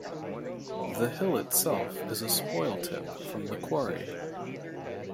The hill itself is a spoil tip from the quarry.